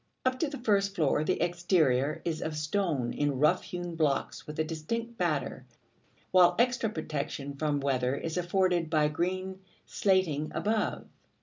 Up to the first floor, the exterior is of stone in rough hewn blocks with a distinct batter, while extra protection from weather is afforded by green slating above.